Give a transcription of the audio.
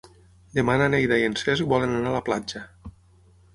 Demà na Neida i en Cesc volen anar a la platja.